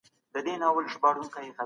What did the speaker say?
تکویني پوښتنې له تېر وخت سره اړیکه لري.